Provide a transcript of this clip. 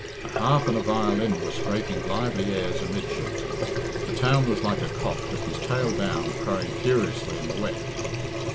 A harp and a violin were scraping lively airs amidships. The town was like a cock with his tail down crowing furiously in the wet.